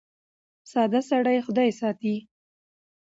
ساده سړی خدای ساتي .